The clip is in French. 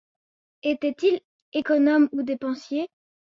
Etait-il économe ou dépensier?